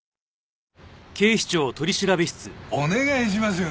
お願いしますよ。